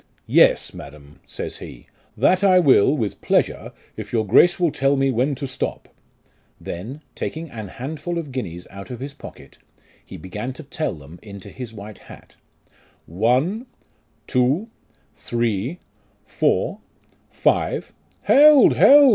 " Yes, madam," says he, " that I will with pleasure if your grace will tell me when to stop ;" then taking an handful of guineas out of his pocket, he began to tell them into his white hat " One, two, three, four, five "" Hold, hold